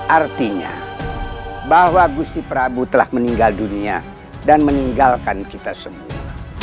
artinya bahwa gusti prabu telah meninggal dunia dan meninggalkan kita semua